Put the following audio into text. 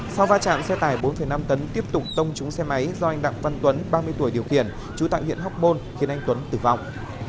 sau va chạm xe tải bốn năm tấn tiếp tục tông trúng xe máy do anh đặng văn tuấn ba mươi tuổi điều khiển trú tại huyện hóc môn khiến anh tuấn tử vong